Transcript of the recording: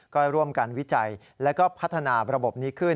ก็ร่วมกันวิจัยแล้วก็พัฒนาระบบนี้ขึ้น